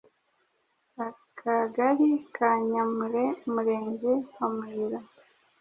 akagari ka nyamure umurenge wa muyira,